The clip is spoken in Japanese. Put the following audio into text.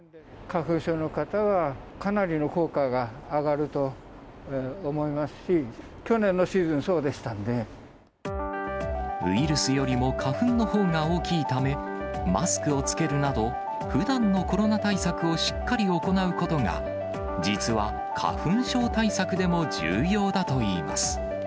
花粉症の方はかなりの効果が上がると思いますし、ウイルスよりも花粉のほうが大きいため、マスクを着けるなど、ふだんのコロナ対策をしっかり行うことが、実は、花粉症対策でも重要だといいます。